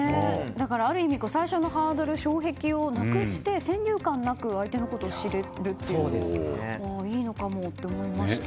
ある意味最初のハードル、障壁をなくして、先入観なく相手のことを知れるっていいのかもって思いましたね。